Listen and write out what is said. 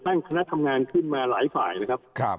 คณะทำงานขึ้นมาหลายฝ่ายนะครับ